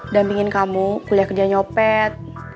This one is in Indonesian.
dampingin kamu kuliah kerja nyopet